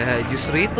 iya justru itu